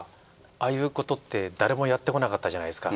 ああいうことって誰もやってこなかったじゃないですか。